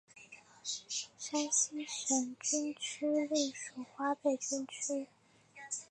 山西省军区隶属华北军区。